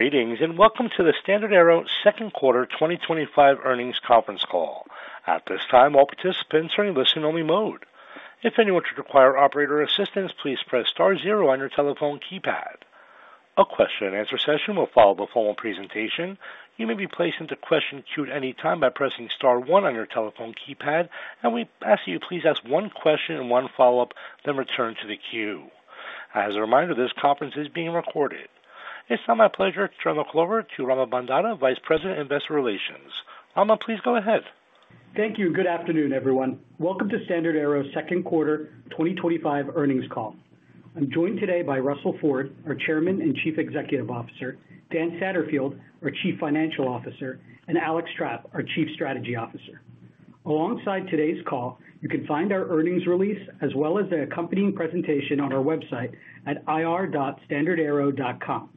Meetings and welcome to the StandardAero Second Quarter 2025 Earnings Conference Call. At this time, all participants are in listen-only mode. If anyone should require operator assistance, please press star zero on your telephone keypad. A question and answer session will follow the formal presentation. You may be placed into question queue at any time by pressing star one on your telephone keypad, and we ask that you please ask one question and one follow-up, then return to the queue. As a reminder, this conference is being recorded. It's now my pleasure to turn the call over to Rama Bondada, Vice President of Investor Relations. Rama, please go ahead. Thank you. Good afternoon, everyone. Welcome to StandardAero's Second Quarter 2025 Earnings Call. I'm joined today by Russell Ford, our Chairman and Chief Executive Officer, Dan Satterfield, our Chief Financial Officer, and Alex Trapp, our Chief Strategy Officer. Alongside today's call, you can find our earnings release as well as the accompanying presentation on our website at ir.standardaero.com.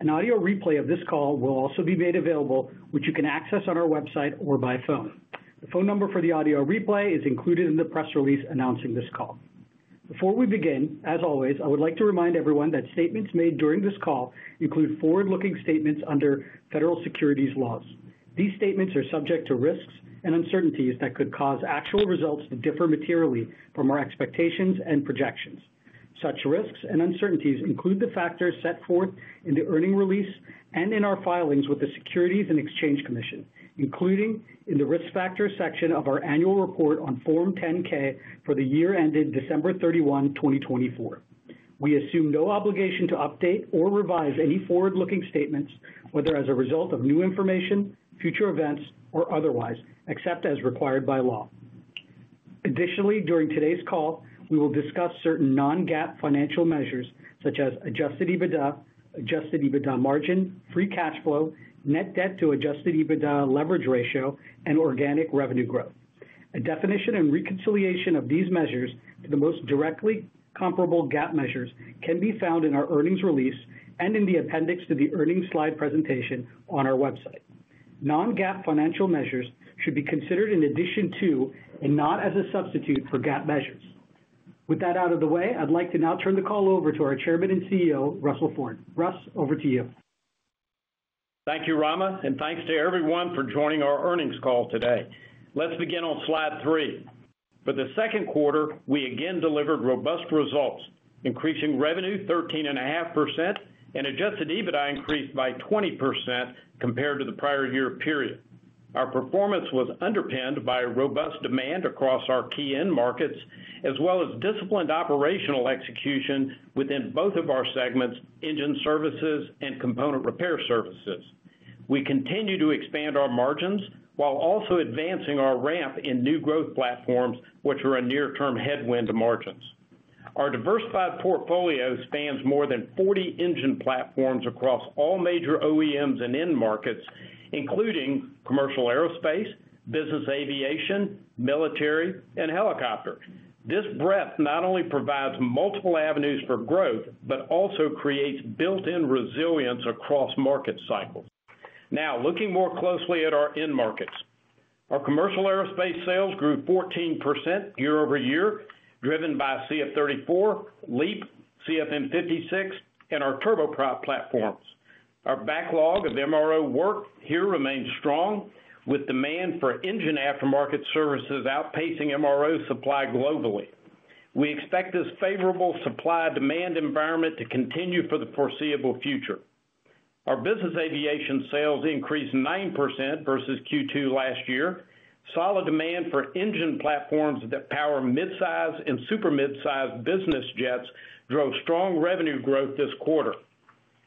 An audio replay of this call will also be made available, which you can access on our website or by phone. The phone number for the audio replay is included in the press release announcing this call. Before we begin, as always, I would like to remind everyone that statements made during this call include forward-looking statements under federal securities laws. These statements are subject to risks and uncertainties that could cause actual results to differ materially from our expectations and projections. Such risks and uncertainties include the factors set forth in the earnings release and in our filings with the Securities and Exchange Commission, including in the risk factors section of our annual report on Form 10-K for the year ended December 31, 2024. We assume no obligation to update or revise any forward-looking statements, whether as a result of new information, future events, or otherwise, except as required by law. Additionally, during today's call, we will discuss certain non-GAAP financial measures such as adjusted EBITDA, adjusted EBITDA margin, free cash flow, net debt to adjusted EBITDA leverage ratio, and organic revenue growth. A definition and reconciliation of these measures to the most directly comparable GAAP measures can be found in our earnings release and in the appendix to the earnings slide presentation on our website. Non-GAAP financial measures should be considered in addition to and not as a substitute for GAAP measures. With that out of the way, I'd like to now turn the call over to our Chairman and CEO, Russell Ford. Russ, over to you. Thank you, Rama, and thanks to everyone for joining our earnings call today. Let's begin on slide three. For the second quarter, we again delivered robust results, increasing revenue 13.5% and adjusted EBITDA increased by 20% compared to the prior year period. Our performance was underpinned by robust demand across our key end markets, as well as disciplined operational execution within both of our segments, engine services and component repair services. We continue to expand our margins while also advancing our ramp in new growth platforms, which are a near-term headwind to margins. Our diversified portfolio spans more than 40 engine platforms across all major OEMs and end markets, including commercial aerospace, business aviation, military, and helicopter. This breadth not only provides multiple avenues for growth but also creates built-in resilience across market cycles. Now, looking more closely at our end markets, our commercial aerospace sales grew 14% year-over-year, driven by CF34, LEAP, CFM56, and our Turboprop platforms. Our backlog of MRO work here remains strong, with demand for engine aftermarket services outpacing MRO supply globally. We expect this favorable supply-demand environment to continue for the foreseeable future. Our business aviation sales increased 9% versus Q2 last year. Solid demand for engine platforms that power mid-size and super mid-size business jets drove strong revenue growth this quarter.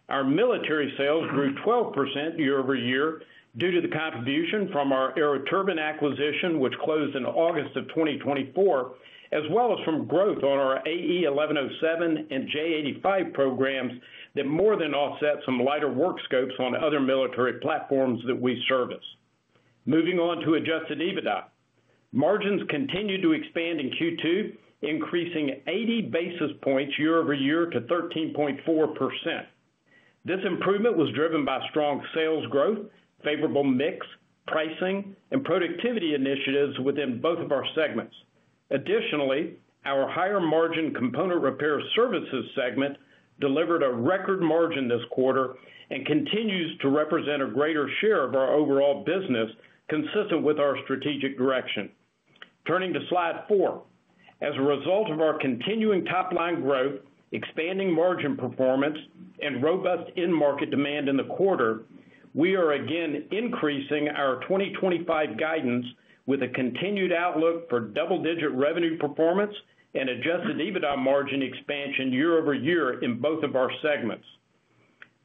Our military sales grew 12% year-over-year due to the contribution from our Aero Turbine acquisition, which closed in August of 2024, as well as from growth on our AE 1107 and J85 programs that more than offset some lighter work scopes on other military platforms that we service. Moving on to adjusted EBITDA, margins continued to expand in Q2, increasing 80 basis points year-over-year to 13.4%. This improvement was driven by strong sales growth, favorable mix, pricing, and productivity initiatives within both of our segments. Additionally, our higher margin component repair services segment delivered a record margin this quarter and continues to represent a greater share of our overall business, consistent with our strategic direction. Turning to slide four, as a result of our continuing top-line growth, expanding margin performance, and robust end-market demand in the quarter, we are again increasing our 2025 guidance with a continued outlook for double-digit revenue performance and adjusted EBITDA margin expansion year-over-year in both of our segments.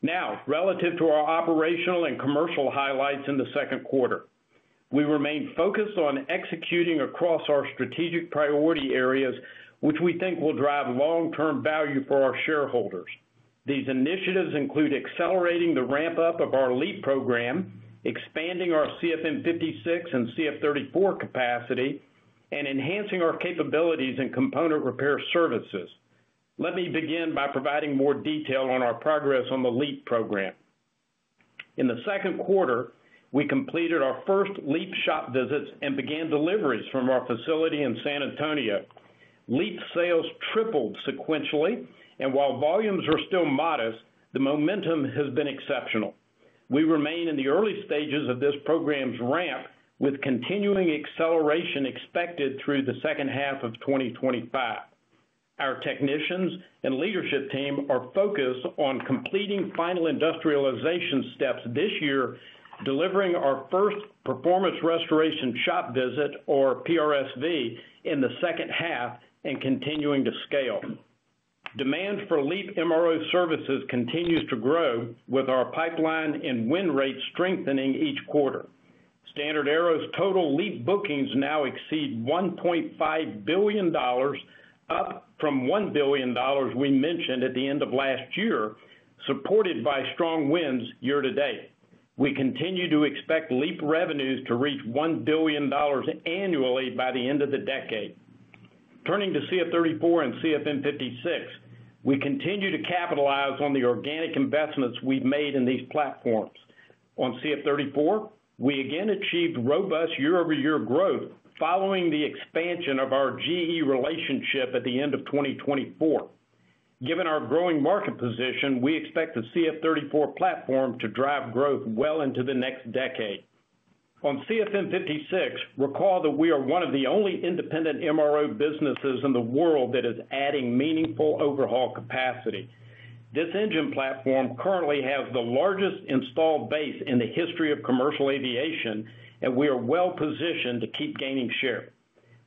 Now, relative to our operational and commercial highlights in the second quarter, we remain focused on executing across our strategic priority areas, which we think will drive long-term value for our shareholders. These initiatives include accelerating the ramp-up of our LEAP program, expanding our CFM56 and CF34 capacity, and enhancing our capabilities in component repair services. Let me begin by providing more detail on our progress on the LEAP program. In the second quarter, we completed our first LEAP shop visits and began deliveries from our facility in San Antonio. LEAP sales tripled sequentially, and while volumes are still modest, the momentum has been exceptional. We remain in the early stages of this program's ramp, with continuing acceleration expected through the second half of 2025. Our technicians and leadership team are focused on completing final industrialization steps this year, delivering our first performance restoration shop visit, or PRSV, in the second half and continuing to scale. Demand for LEAP MRO services continues to grow, with our pipeline and win rates strengthening each quarter. StandardAero's total LEAP bookings now exceed $1.5 billion, up from $1 billion we mentioned at the end of last year, supported by strong wins year to date. We continue to expect LEAP revenues to reach $1 billion annually by the end of the decade. Turning to CF34 and CFM56, we continue to capitalize on the organic investments we've made in these platforms. On CF34, we again achieved robust year-over-year growth following the expansion of our GE relationship at the end of 2024. Given our growing market position, we expect the CF34 platform to drive growth well into the next decade. On CFM56, recall that we are one of the only independent MRO businesses in the world that is adding meaningful overhaul capacity. This engine platform currently has the largest installed base in the history of commercial aviation, and we are well positioned to keep gaining share.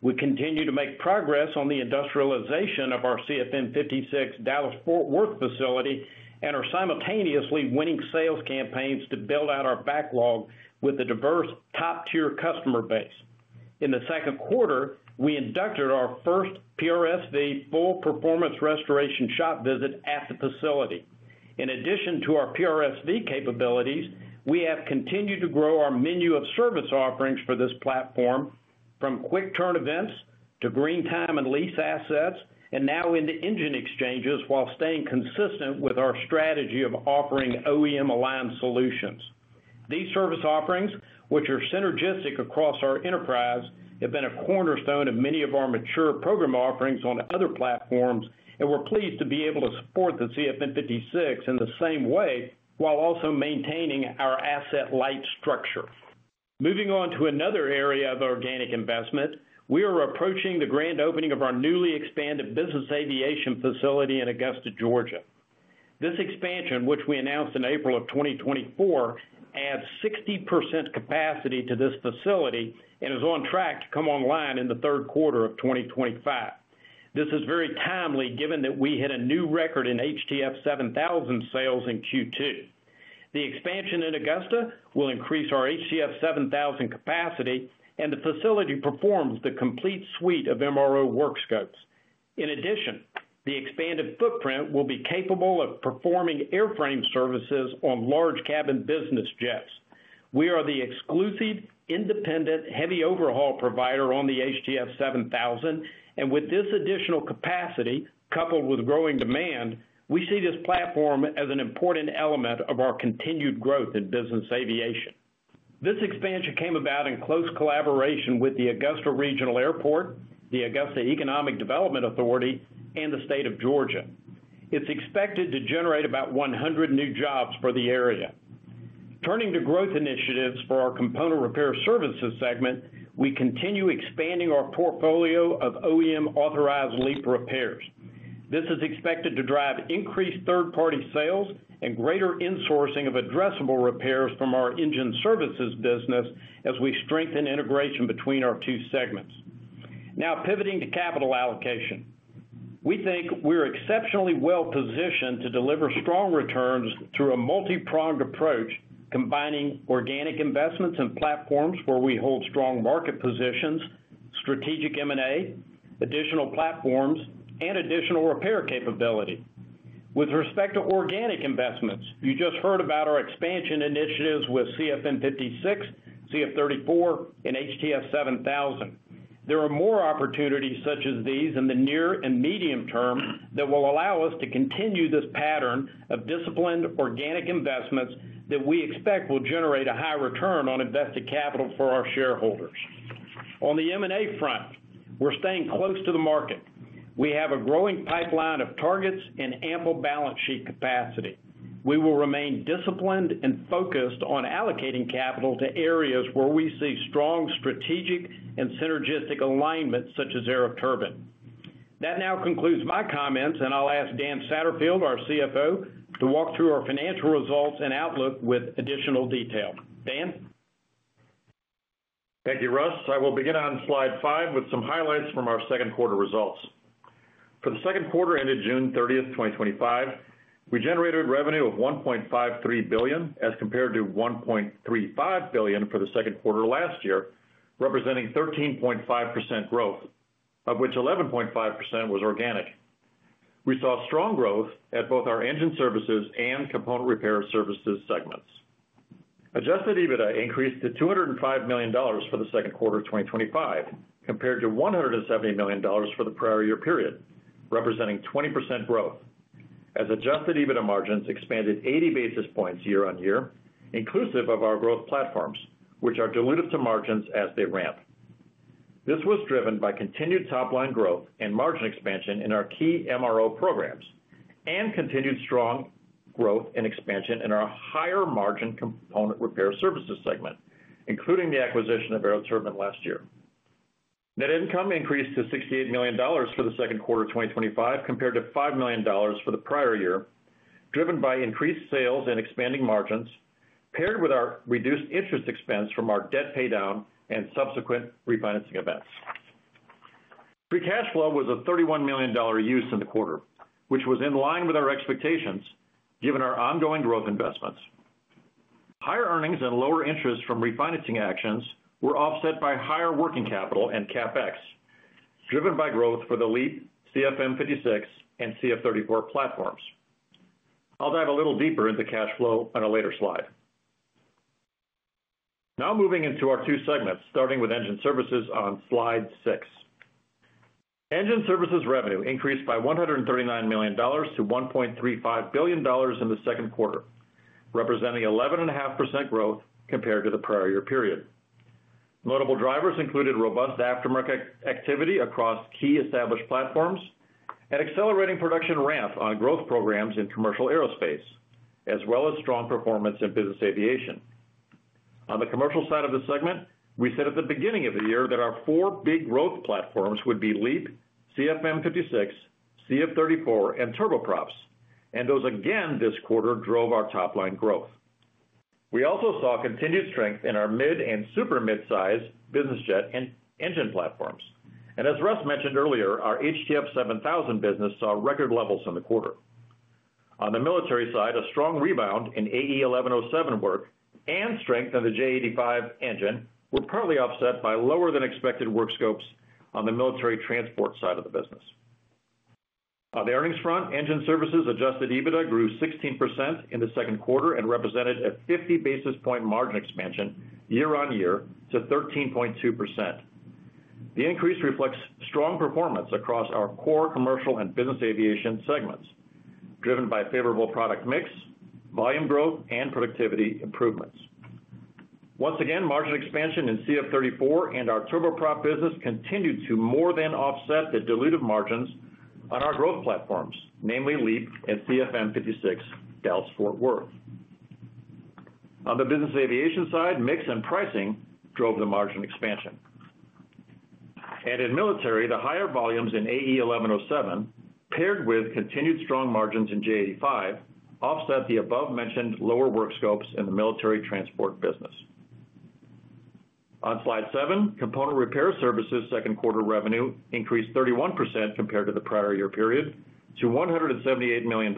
We continue to make progress on the industrialization of our CFM56 Dallas Fort Worth facility and are simultaneously winning sales campaigns to build out our backlog with a diverse top-tier customer base. In the second quarter, we conducted our first PRSV full performance restoration shop visit at the facility. In addition to our PRSV capabilities, we have continued to grow our menu of service offerings for this platform, from quick turn events to green time and lease assets, and now into engine exchanges while staying consistent with our strategy of offering OEM-aligned solutions. These service offerings, which are synergistic across our enterprise, have been a cornerstone of many of our mature program offerings on other platforms, and we're pleased to be able to support the CFM56 in the same way while also maintaining our asset-light structure. Moving on to another area of organic investment, we are approaching the grand opening of our newly expanded business aviation facility in Augusta, Georgia. This expansion, which we announced in April of 2024, adds 60% capacity to this facility and is on track to come online in the third quarter of 2025. This is very timely given that we hit a new record in HTF7000 sales in Q2. The expansion in Augusta will increase our HTF7000 capacity, and the facility performs the complete suite of MRO work scopes. In addition, the expanded footprint will be capable of performing airframe services on large cabin business jets. We are the exclusive independent heavy overhaul provider on the HTF7000, and with this additional capacity, coupled with growing demand, we see this platform as an important element of our continued growth in business aviation. This expansion came about in close collaboration with the Augusta Regional Airport, the Augusta Economic Development Authority, and the state of Georgia. It's expected to generate about 100 new jobs for the area. Turning to growth initiatives for our component repair services segment, we continue expanding our portfolio of OEM-authorized LEAP repairs. This is expected to drive increased third-party sales and greater insourcing of addressable repairs from our engine services business as we strengthen integration between our two segments. Now, pivoting to capital allocation, we think we're exceptionally well positioned to deliver strong returns through a multi-pronged approach, combining organic investments and platforms where we hold strong market positions, strategic M&A, additional platforms, and additional repair capability. With respect to organic investments, you just heard about our expansion initiatives with CFM56, CF34, and HTF7000. There are more opportunities such as these in the near and medium term that will allow us to continue this pattern of disciplined organic investments that we expect will generate a high return on invested capital for our shareholders. On the M&A front, we're staying close to the market. We have a growing pipeline of targets and ample balance sheet capacity. We will remain disciplined and focused on allocating capital to areas where we see strong strategic and synergistic alignment such as Aero Turbine. That now concludes my comments, and I'll ask Dan Satterfield, our CFO, to walk through our financial results and outlook with additional detail. Dan? Thank you, Russ. I will begin on slide five with some highlights from our second quarter results. For the second quarter ended June 30, 2025, we generated revenue of $1.53 billion as compared to $1.35 billion for the second quarter last year, representing 13.5% growth, of which 11.5% was organic. We saw strong growth at both our engine services and component repair services segments. Adjusted EBITDA increased to $205 million for the second quarter of 2025, compared to $170 million for the prior year period, representing 20% growth. Adjusted EBITDA margins expanded 80 basis points year-on-year, inclusive of our growth platforms, which are diluted to margins as they ramp. This was driven by continued top-line growth and margin expansion in our key MRO programs and continued strong growth and expansion in our higher margin component repair services segment, including the acquisition of Aero Turbine last year. Net income increased to $68 million for the second quarter of 2025, compared to $5 million for the prior year, driven by increased sales and expanding margins, paired with our reduced interest expense from our debt paydown and subsequent refinancing events. Free cash flow was a $31 million use in the quarter, which was in line with our expectations given our ongoing growth investments. Higher earnings and lower interest from refinancing actions were offset by higher working capital and CapEx driven by growth for the LEAP, CFM56, and CF34 platforms. I'll dive a little deeper into cash flow on a later slide. Now moving into our two segments, starting with engine services on slide six. Engine services revenue increased by $139 million to $1.35 billion in the second quarter, representing 11.5% growth compared to the prior year period. Notable drivers included robust aftermarket activity across key established platforms and accelerating production ramp on growth programs in commercial aerospace, as well as strong performance in business aviation. On the commercial side of the segment, we said at the beginning of the year that our four big growth platforms would be LEAP, CFM56, CF34, and Turboprops, and those again this quarter drove our top-line growth. We also saw continued strength in our mid and super mid-size business jet engine platforms, and as Russ mentioned earlier, our HTF7000 business saw record levels in the quarter. On the military side, a strong rebound in AE 1107 work and strength in the J85 engine were partly offset by lower than expected work scopes on the military transport side of the business. On the earnings front, engine services adjusted EBITDA grew 16% in the second quarter and represented a 50 basis point margin expansion year-on-year to 13.2%. The increase reflects strong performance across our core commercial and business aviation segments, driven by favorable product mix, volume growth, and productivity improvements. Margin expansion in CF34 and our Turboprop business continued to more than offset the diluted margins on our growth platforms, namely LEAP and CFM56 Dallas Fort Worth. On the business aviation side, mix and pricing drove the margin expansion. In military, the higher volumes in AE 1107, paired with continued strong margins in J85, offset the above-mentioned lower work scopes in the military transport business. On slide seven, component repair services second quarter revenue increased 31% compared to the prior year period to $178 million.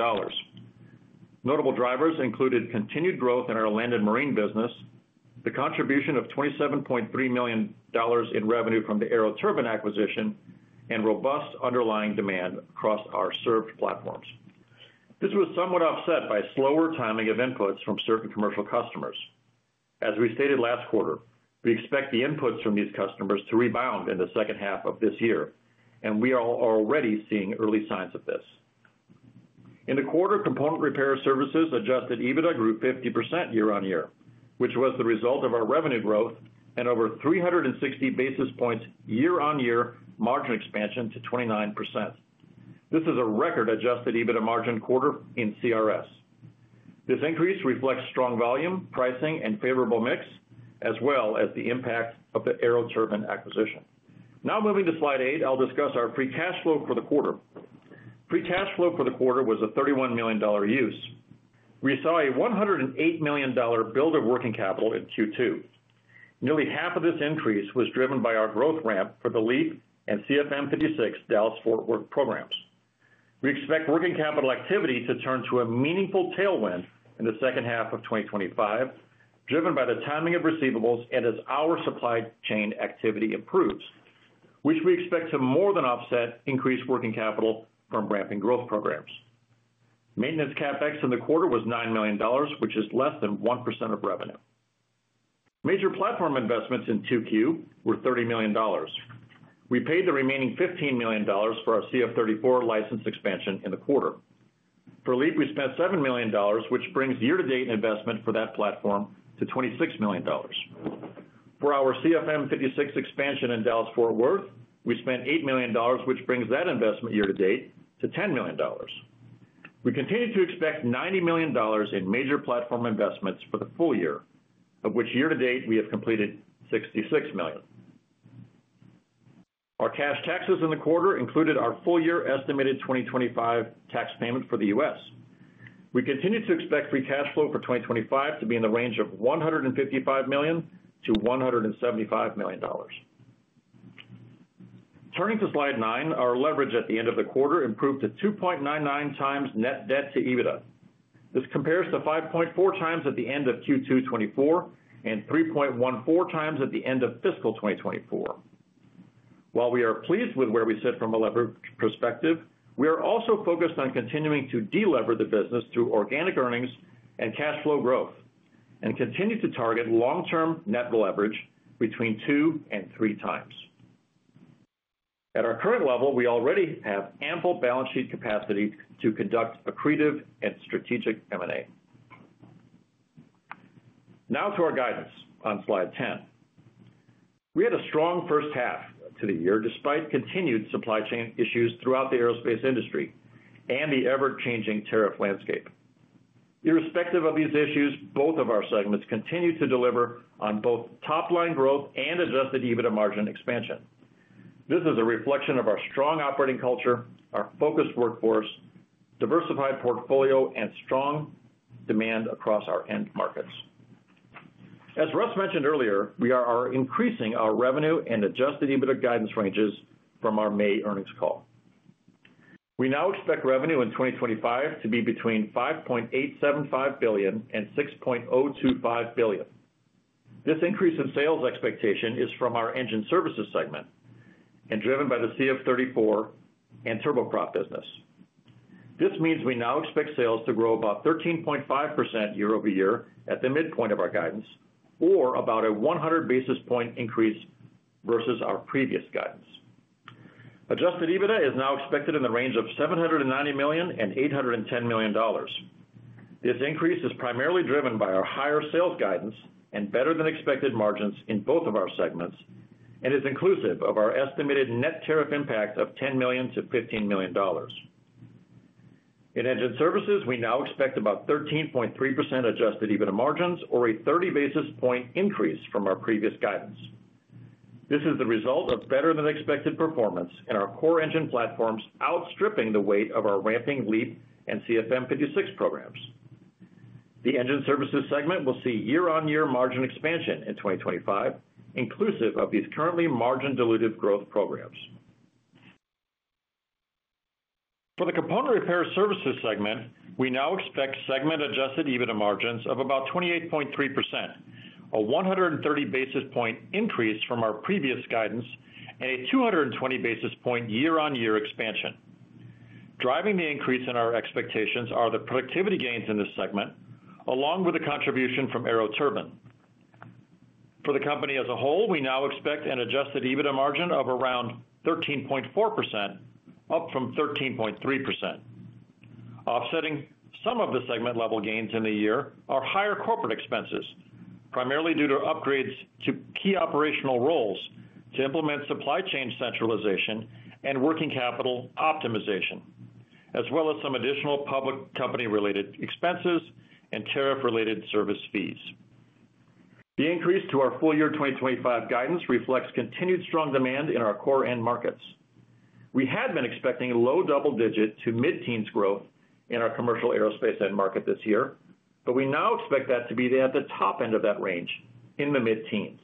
Notable drivers included continued growth in our landed marine business, the contribution of $27.3 million in revenue from the Aeroturbine acquisition, and robust underlying demand across our served platforms. This was somewhat offset by slower timing of inputs from certain commercial customers. As we stated last quarter, we expect the inputs from these customers to rebound in the second half of this year, and we are already seeing early signs of this. In the quarter, component repair services adjusted EBITDA grew 50% year-on-year, which was the result of our revenue growth and over 360 basis points year-on-year margin expansion to 29%. This is a record adjusted EBITDA margin quarter in CRS. This increase reflects strong volume, pricing, and favorable mix, as well as the impact of the Aero Turbine acquisition. Now moving to slide eight, I'll discuss our free cash flow for the quarter. Free cash flow for the quarter was a $31 million use. We saw a $108 million build of working capital in Q2. Nearly half of this increase was driven by our growth ramp for the LEAP and CFM56 Dallas Fort Worth programs. We expect working capital activity to turn to a meaningful tailwind in the second half of 2025, driven by the timing of receivables and as our supply chain activity improves, which we expect to more than offset increased working capital from ramping growth programs. Maintenance CapEx in the quarter was $9 million, which is less than 1% of revenue. Major platform investments in 2Q were $30 million. We paid the remaining $15 million for our CF34 license expansion in the quarter. For LEAP, we spent $7 million, which brings year-to-date investment for that platform to $26 million. For our CFM56 expansion in Dallas Fort Worth, we spent $8 million, which brings that investment year-to-date to $10 million. We continue to expect $90 million in major platform investments for the full year, of which year-to-date we have completed $66 million. Our cash taxes in the quarter included our full-year estimated 2025 tax payments for the U.S. We continue to expect free cash flow for 2025 to be in the range of $155 million-$175 million. Turning to slide nine, our leverage at the end of the quarter improved to 2.99x net debt to EBITDA. This compares to 5.4x at the end of Q2 2024 and 3.14x at the end of fiscal 2024. While we are pleased with where we sit from a leverage perspective, we are also focused on continuing to delever the business through organic earnings and cash flow growth and continue to target long-term net leverage between two and three times. At our current level, we already have ample balance sheet capacity to conduct accretive and strategic M&A. Now to our guidance on slide 10. We had a strong first half to the year despite continued supply chain issues throughout the aerospace industry and the ever-changing tariff landscape. Irrespective of these issues, both of our segments continue to deliver on both top-line growth and adjusted EBITDA margin expansion. This is a reflection of our strong operating culture, our focused workforce, diversified portfolio, and strong demand across our end markets. As Russ mentioned earlier, we are increasing our revenue and adjusted EBITDA guidance ranges from our May earnings call. We now expect revenue in 2025 to be between $5.875 billion and $6.025 billion. This increase in sales expectation is from our engine services segment and driven by the CF34 and Turboprop business. This means we now expect sales to grow about 13.5% year-over-year at the midpoint of our guidance or about a 100 basis point increase versus our previous guidance. Adjusted EBITDA is now expected in the range of $790 million and $810 million. This increase is primarily driven by our higher sales guidance and better-than-expected margins in both of our segments and is inclusive of our estimated net tariff impact of $10 million-$15 million. In engine services, we now expect about 13.3% adjusted EBITDA margins or a 30 basis point increase from our previous guidance. This is the result of better-than-expected performance in our core engine platforms, outstripping the weight of our ramping LEAP and CFM56 programs. The engine services segment will see year-on-year margin expansion in 2025, inclusive of these currently margin-dilutive growth programs. For the component repair services segment, we now expect segment-adjusted EBITDA margins of about 28.3%, a 130 basis point increase from our previous guidance, and a 220 basis point year-on-year expansion. Driving the increase in our expectations are the productivity gains in this segment, along with the contribution from Aeroturbine. For the company as a whole, we now expect an adjusted EBITDA margin of around 13.4%, up from 13.3%. Offsetting some of the segment-level gains in the year are higher corporate expenses, primarily due to upgrades to key operational roles to implement supply chain centralization and working capital optimization, as well as some additional public company-related expenses and tariff-related service fees. The increase to our full-year 2025 guidance reflects continued strong demand in our core end markets. We had been expecting low double-digit to mid-teens growth in our commercial aerospace end market this year, but we now expect that to be at the top end of that range in the mid-teens.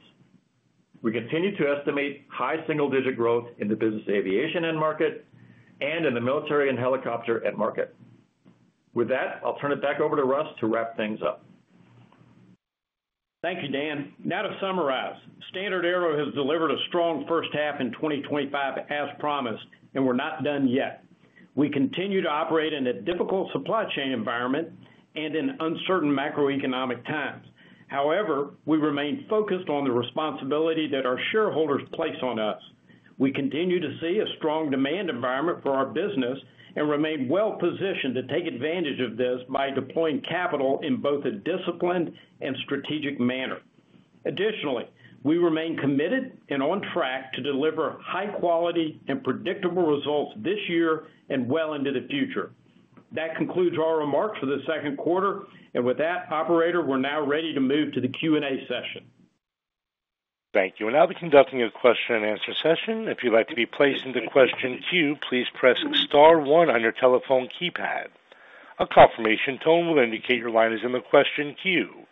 We continue to estimate high single-digit growth in the business aviation end market and in the military and helicopter end market. With that, I'll turn it back over to Russ to wrap things up. Thank you, Dan. Now to summarize, StandardAero has delivered a strong first half in 2025 as promised, and we're not done yet. We continue to operate in a difficult supply chain environment and in uncertain macroeconomic times. However, we remain focused on the responsibility that our shareholders place on us. We continue to see a strong demand environment for our business and remain well positioned to take advantage of this by deploying capital in both a disciplined and strategic manner. Additionally, we remain committed and on track to deliver high-quality and predictable results this year and well into the future. That concludes our remarks for the second quarter, and with that, operator, we're now ready to move to the Q&A session. Thank you. We're now conducting a question and answer session. If you'd like to be placed into the question queue, please press star one on your telephone keypad. A confirmation tone will indicate your line is in the question queue.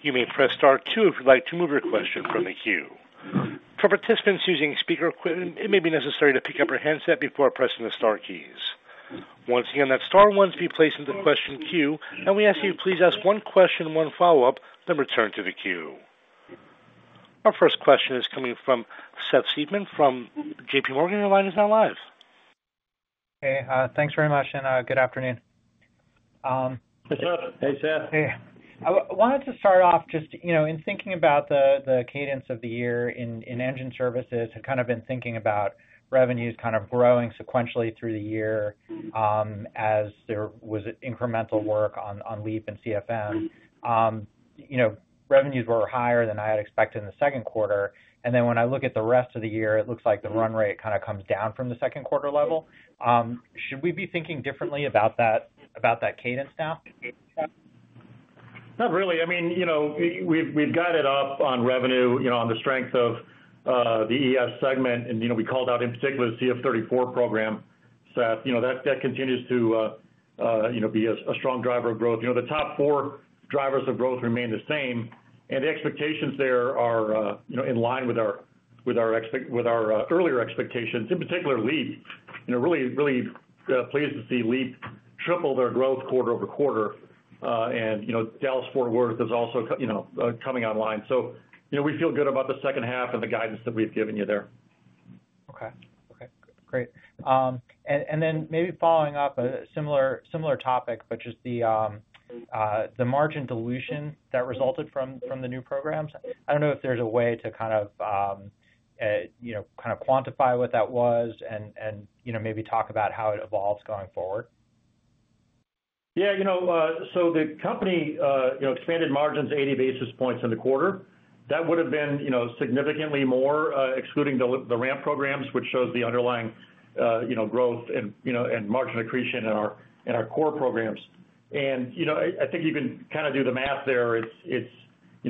You may press star two if you'd like to remove your question from the queue. For participants using speaker equipment, it may be necessary to pick up your headset before pressing the star keys. Once again, that's star one to be placed into the question queue, and we ask that you please ask one question and one follow-up, then return to the queue. Our first question is coming from Seth Seifman from JPMorgan. Your line is now live. Hey, thanks very much, and good afternoon. Hey, Seth. I wanted to start off just in thinking about the cadence of the year in engine services. I've kind of been thinking about revenues kind of growing sequentially through the year, as there was incremental work on LEAP and CFM. Revenues were higher than I had expected in the second quarter, and then when I look at the rest of the year, it looks like the run rate kind of comes down from the second quarter level. Should we be thinking differently about that, about that cadence now? Not really. I mean, we've got it up on revenue, on the strength of the EF segment, and we called out in particular the CF34 program, Seth. That continues to be a strong driver of growth. The top four drivers of growth remain the same, and the expectations there are in line with our earlier expectations, in particular LEAP. Really pleased to see LEAP triple their growth quarter over quarter, and Dallas Fort Worth is also coming online. We feel good about the second half and the guidance that we've given you there. Okay. Great. Maybe following up a similar topic, just the margin dilution that resulted from the new programs. I don't know if there's a way to kind of quantify what that was and maybe talk about how it evolves going forward. Yeah, you know, the company expanded margins 80 basis points in the quarter. That would have been significantly more, excluding the ramp programs, which shows the underlying growth and margin accretion in our core programs. I think you can kind of do the math there. It's a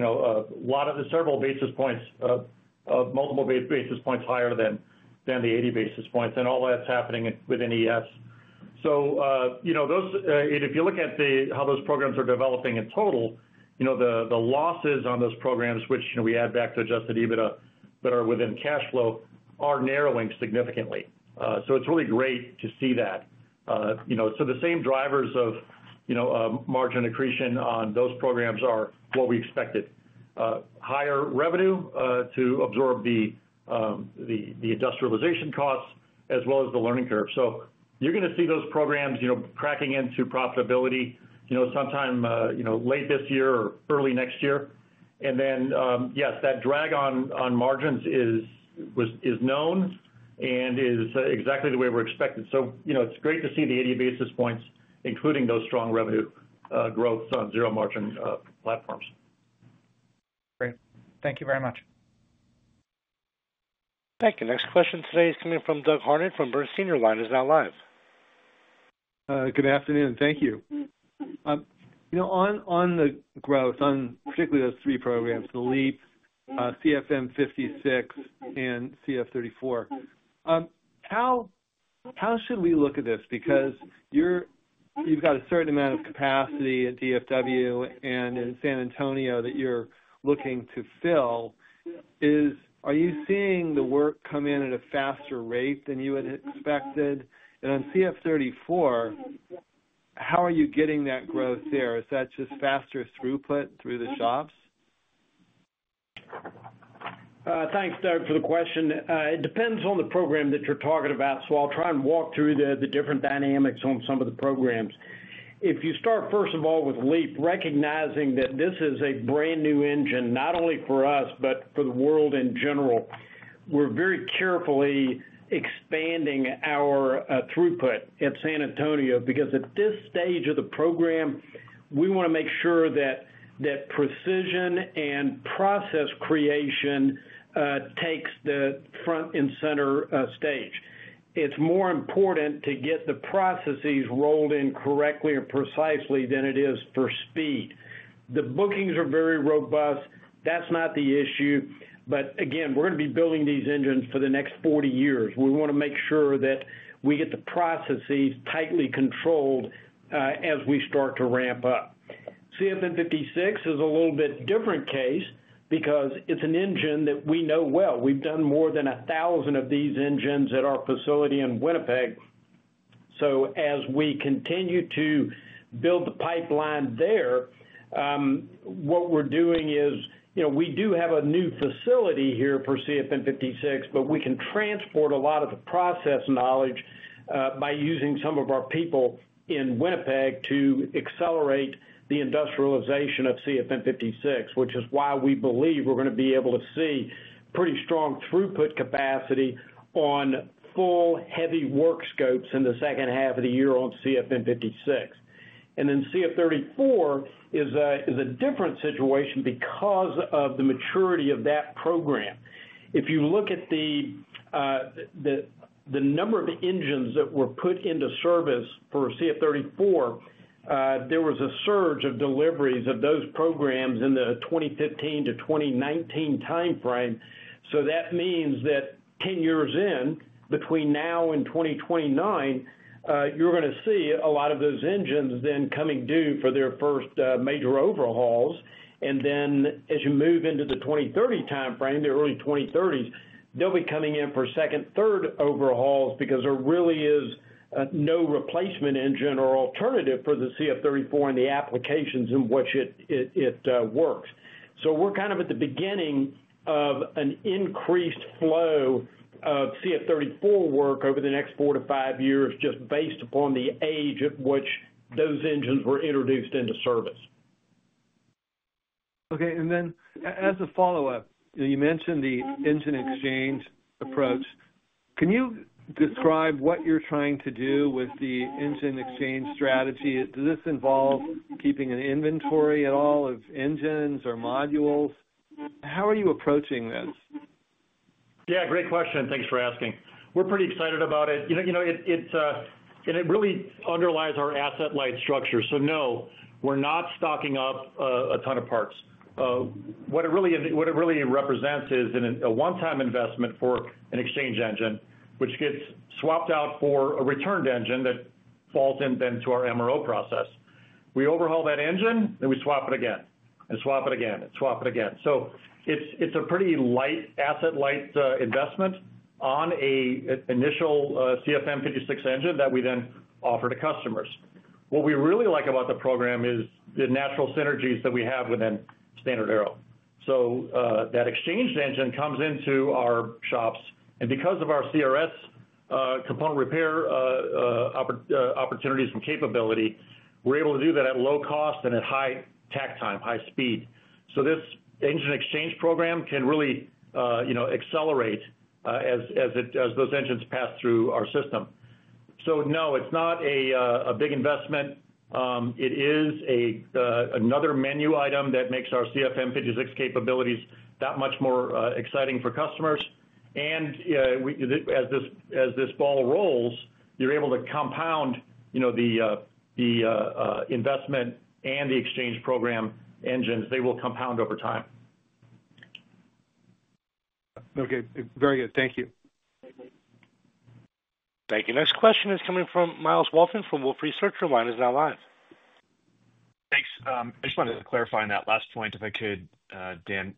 lot of the several basis points, multiple basis points higher than the 80 basis points, and all that's happening within EF. If you look at how those programs are developing in total, the losses on those programs, which we add back to adjusted EBITDA that are within cash flow, are narrowing significantly. It's really great to see that. The same drivers of margin accretion on those programs are what we expected: higher revenue to absorb the industrialization costs, as well as the learning curve. You're going to see those programs cracking into profitability sometime late this year or early next year. Yes, that drag on margins is known and is exactly the way we expected. It's great to see the 80 basis points, including those strong revenue growths on zero margin platforms. Great. Thank you very much. Thank you. Next question today is coming from Doug Harned from Bernstein. Line is now live. Good afternoon. Thank you. You know, on the growth, on particularly those three programs, the LEAP, CFM56, and CF34, how should we look at this? Because you've got a certain amount of capacity at DFW and in San Antonio that you're looking to fill. Are you seeing the work come in at a faster rate than you had expected? On CF34, how are you getting that growth there? Is that just faster throughput through the shops? Thanks, Doug, for the question. It depends on the program that you're talking about. I'll try and walk through the different dynamics on some of the programs. If you start, first of all, with LEAP, recognizing that this is a brand new engine, not only for us, but for the world in general. We're very carefully expanding our throughput at San Antonio because at this stage of the program, we want to make sure that precision and process creation takes the front and center stage. It's more important to get the processes rolled in correctly and precisely than it is for speed. The bookings are very robust. That's not the issue. We're going to be building these engines for the next 40 years. We want to make sure that we get the processes tightly controlled as we start to ramp up. CFM56 is a little bit different case because it's an engine that we know well. We've done more than a thousand of these engines at our facility in Winnipeg. As we continue to build the pipeline there, what we're doing is, you know, we do have a new facility here for CFM56, but we can transport a lot of the process knowledge by using some of our people in Winnipeg to accelerate the industrialization of CFM56, which is why we believe we're going to be able to see pretty strong throughput capacity on full heavy work scopes in the second half of the year on CFM56. CF34 is a different situation because of the maturity of that program. If you look at the number of engines that were put into service for CF34, there was a surge of deliveries of those programs in the 2015 to 2019 timeframe. That means that 10 years in, between now and 2029, you're going to see a lot of those engines then coming due for their first major overhauls. As you move into the 2030 timeframe, the early 2030s, they'll be coming in for second, third overhauls because there really is no replacement engine or alternative for the CF34 and the applications in which it works. We're kind of at the beginning of an increased flow of CF34 work over the next four to five years, just based upon the age at which those engines were introduced into service. Okay. As a follow-up, you mentioned the engine exchange approach. Can you describe what you're trying to do with the engine exchange strategy? Does this involve keeping an inventory at all of engines or modules? How are you approaching this? Yeah, great question. Thanks for asking. We're pretty excited about it. It really underlies our asset-light structure. No, we're not stocking up a ton of parts. What it really represents is a one-time investment for an exchange engine, which gets swapped out for a returned engine that falls into our MRO process. We overhaul that engine and we swap it again and swap it again and swap it again. It's a pretty light asset-light investment on an initial CFM56 engine that we then offer to customers. What we really like about the program is the natural synergies that we have within StandardAero. That exchange engine comes into our shops, and because of our component repair opportunities and capability, we're able to do that at low cost and at high take time, high speed. This engine exchange program can really accelerate as those engines pass through our system. No, it's not a big investment. It is another menu item that makes our CFM56 capabilities that much more exciting for customers. As this ball rolls, you're able to compound the investment and the exchange program engines. They will compound over time. Okay, very good. Thank you. Thank you. Next question is coming from Myle Wolton from Wolfe Research. Your line is now live. Thanks. I just wanted to clarify on that last point, if I could, Dan.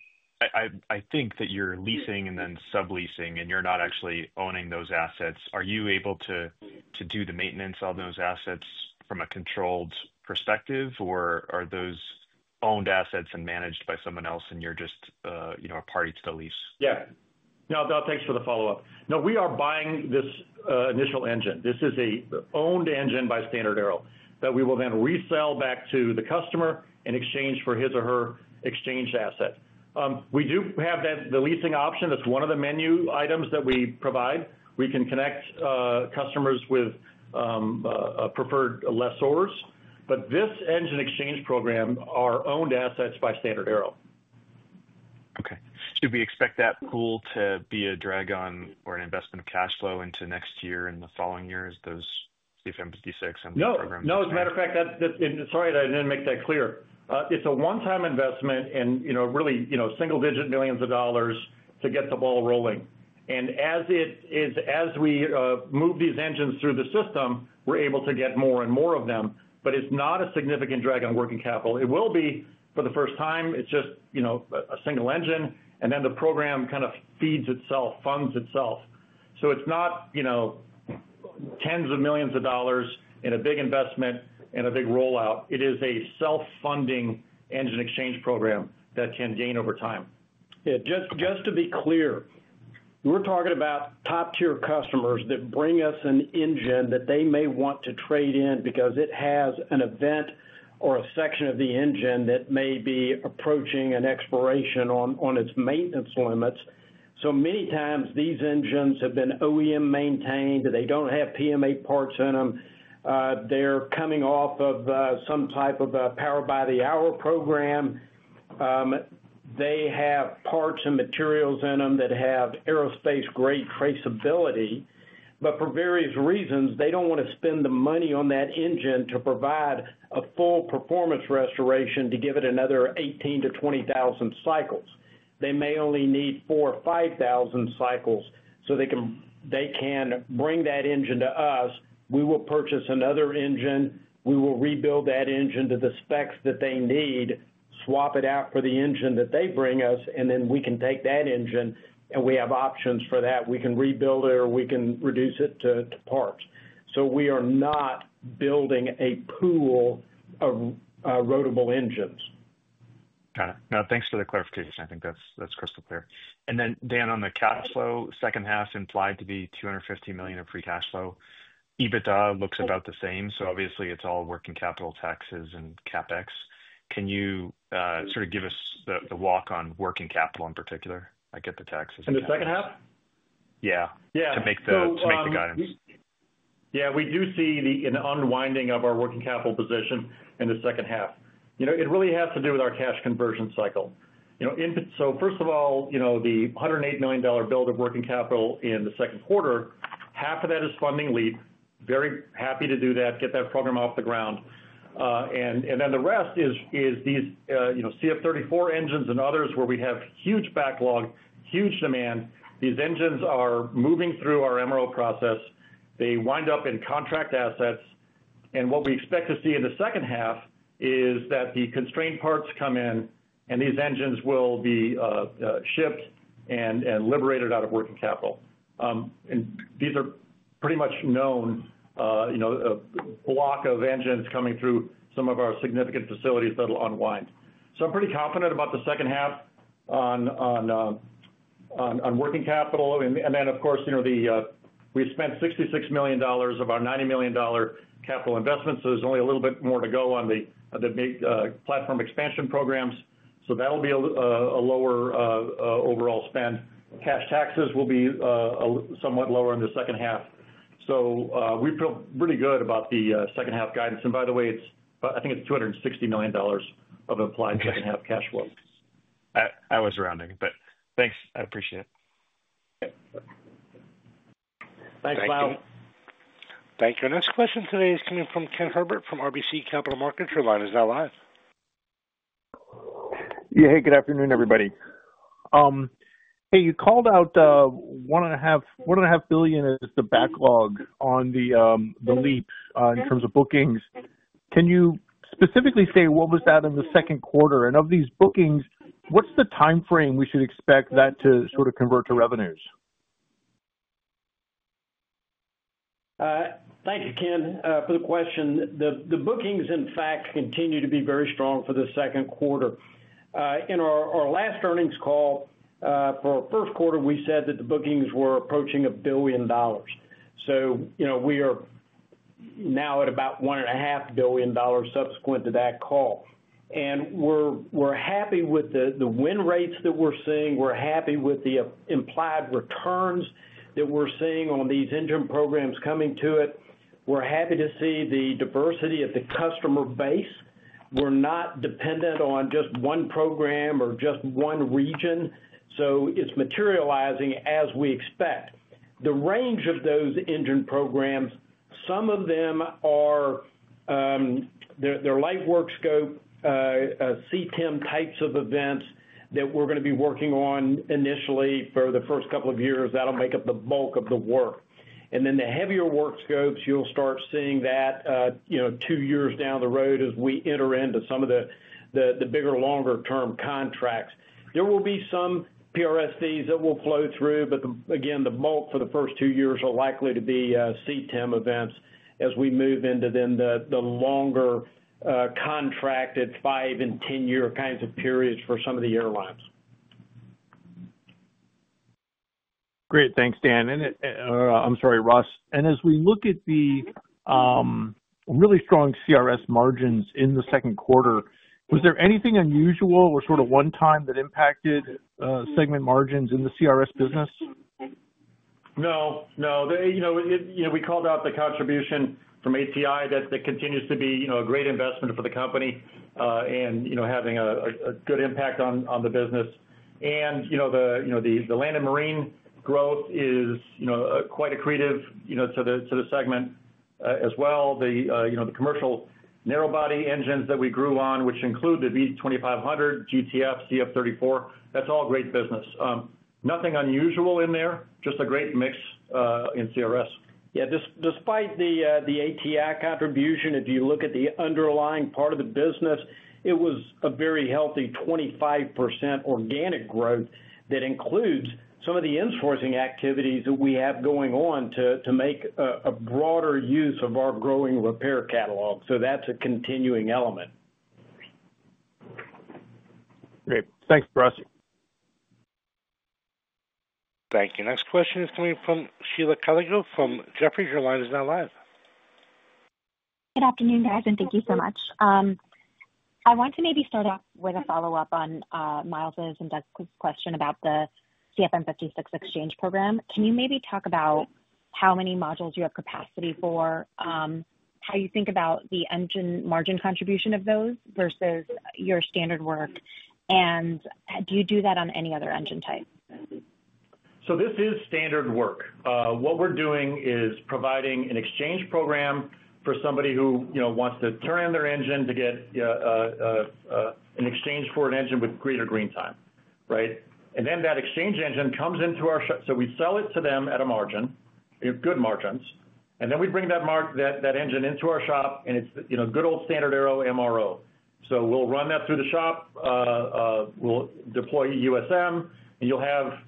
I think that you're leasing and then subleasing, and you're not actually owning those assets. Are you able to do the maintenance of those assets from a controlled perspective, or are those owned assets and managed by someone else, and you're just a party to the lease? No, thanks for the follow-up. We are buying this initial engine. This is an owned engine by StandardAero that we will then resell back to the customer in exchange for his or her exchange asset. We do have the leasing option. That's one of the menu items that we provide. We can connect customers with preferred lessors. This engine exchange program consists of owned assets by StandardAero. Okay. Should we expect that pool to be a drag on or an investment of cash flow into next year and the following years, those CFM56 and those programs? As a matter of fact, that's all right. I didn't make that clear. It's a one-time investment and, you know, really, you know, single-digit millions of dollars to get the ball rolling. As we move these engines through the system, we're able to get more and more of them. It's not a significant drag on working capital. It will be for the first time. It's just, you know, a single engine, and then the program kind of feeds itself, funds itself. It's not, you know, tens of millions of dollars in a big investment and a big rollout. It is a self-funding engine exchange program that can gain over time. Yeah. Just to be clear, we're talking about top-tier customers that bring us an engine that they may want to trade in because it has an event or a section of the engine that may be approaching an expiration on its maintenance limits. Many times these engines have been OEM-maintained. They don't have PMA parts in them. They're coming off of some type of a power-by-the-hour program. They have parts and materials in them that have aerospace-grade traceability. For various reasons, they don't want to spend the money on that engine to provide a full performance restoration to give it another 18,000 cycles-20,000 cycles. They may only need 4,000 cycles or 5,000 cycles. They can bring that engine to us. We will purchase another engine. We will rebuild that engine to the specs that they need, swap it out for the engine that they bring us, and then we can take that engine, and we have options for that. We can rebuild it or we can reduce it to parts. We are not building a pool of rotable engines. Got it. No, thanks for the clarification. I think that's crystal clear. Dan, on the cash flow, second half implied to be $250 million in free cash flow. EBITDA looks about the same. It's all working capital, taxes, and CapEx. Can you sort of give us the walk on working capital in particular? I get the taxes. In the second half? Yeah. Yeah. To make the guidance. Yeah. We do see the unwinding of our working capital position in the second half. It really has to do with our cash conversion cycle. First of all, the $108 million build of working capital in the second quarter, half of that is funding LEAP. Very happy to do that, get that program off the ground, and then the rest is these CF34 engines and others where we have huge backlog, huge demand. These engines are moving through our MRO process. They wind up in contract assets. What we expect to see in the second half is that the constrained parts come in, and these engines will be shipped and liberated out of working capital. These are pretty much known, a block of engines coming through some of our significant facilities that'll unwind. I'm pretty confident about the second half on working capital. Of course, we spent $66 million of our $90 million capital investment. There's only a little bit more to go on the big platform expansion programs. That'll be a lower overall spend. Cash taxes will be somewhat lower in the second half. We feel pretty good about the second half guidance. By the way, I think it's $260 million of implied second half cash flow. I was rounding, but thanks. I appreciate it. Thanks, Myless. Thank you. Our next question today is coming from Ken Herbert from RBC Capital Markets. Your line is now live. Yeah. Hey, good afternoon, everybody. You called out $1.5 billion is the backlog on the LEAP in terms of bookings. Can you specifically say what was that in the second quarter? Of these bookings, what's the timeframe we should expect that to sort of convert to revenues? Thank you, Ken, for the question. The bookings, in fact, continue to be very strong for the second quarter. In our last earnings call, for our first quarter, we said that the bookings were approaching $1 billion. We are now at about $1.5 billion subsequent to that call. We're happy with the win rates that we're seeing. We're happy with the implied returns that we're seeing on these engine programs coming to it. We're happy to see the diversity of the customer base. We're not dependent on just one program or just one region. It's materializing as we expect. The range of those engine programs, some of them are light work scope, CTEM types of events that we're going to be working on initially for the first couple of years. That'll make up the bulk of the work. The heavier work scopes, you'll start seeing that two years down the road as we enter into some of the bigger, longer-term contracts. There will be some PRSDs that will flow through, but again, the bulk for the first two years are likely to be CTEM events as we move into the longer, contracted five and ten-year kinds of periods for some of the airlines. Great. Thanks, Dan. I'm sorry, Russ. As we look at the really strong CRS margins in the second quarter, was there anything unusual or sort of one-time that impacted segment margins in the CRS business? No, no. We called out the contribution from ATI that continues to be a great investment for the company, and having a good impact on the business. The land and marine growth is quite accretive to the segment, as well. The commercial narrowbody engines that we grew on, which include the V2500, GTF, CF34, that's all great business. Nothing unusual in there, just a great mix, in CRS. Yeah. Despite the ATI contribution, if you look at the underlying part of the business, it was a very healthy 25% organic growth. That includes some of the insourcing activities that we have going on to make a broader use of our growing repair catalog. That's a continuing element. Great. Thanks, Russ. Thank you. Next question is coming from Sheila Kahyaoglu from Jefferies. Your line is now live. Good afternoon, guys, and thank you so much. I want to maybe start off with a follow-up on Myles' and Doug's question about the CFM56 exchange program. Can you maybe talk about how many modules you have capacity for, how you think about the engine margin contribution of those versus your standard work? Do you do that on any other engine type? This is standard work. What we're doing is providing an exchange program for somebody who wants to turn in their engine to get an exchange for an engine with greater green time, right? That exchange engine comes into our shop. We sell it to them at a margin, good margins. Then we bring that engine into our shop, and it's good old StandardAero MRO. We'll run that through the shop, we'll deploy USM, and you'll have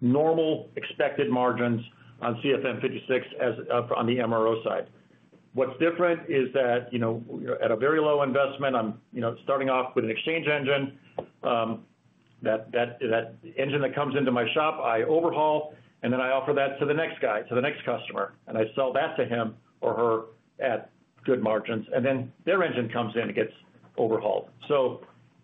normal expected margins on CFM56 as on the MRO side. What's different is that at a very low investment, I'm starting off with an exchange engine. That engine that comes into my shop, I overhaul, and then I offer that to the next guy, to the next customer, and I sell that to him or her at good margins. Then their engine comes in and gets overhauled.